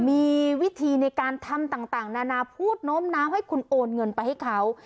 มีวิธีในการทำต่างนานาพูดโน้มน้าวให้คุณโอนเงินไปให้เขา